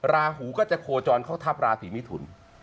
ราหูก็จะโคจรเข้าทัพราศีมิถุน